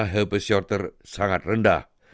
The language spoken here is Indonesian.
herpes shorter sangat rendah